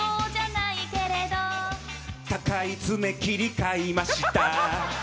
高い爪切り買いました。